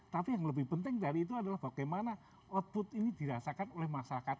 tapi yang lebih penting dari itu adalah bagaimana output ini dirasakan oleh masyarakat